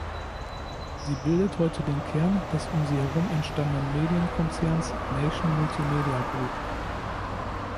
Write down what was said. Sie bildet heute den Kern des um sie herum entstandenen Medienkonzerns Nation Multimedia Group.